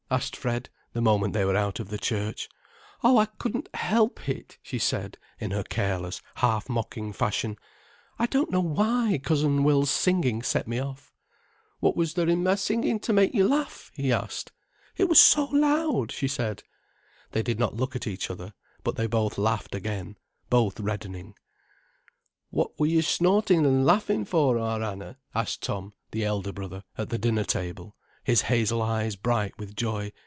asked Fred, the moment they were out of the church. "Oh, I couldn't help it," she said, in her careless, half mocking fashion. "I don't know why Cousin Will's singing set me off." "What was there in my singing to make you laugh?" he asked. "It was so loud," she said. They did not look at each other, but they both laughed again, both reddening. "What were you snorting and laughing for, our Anna?" asked Tom, the elder brother, at the dinner table, his hazel eyes bright with joy.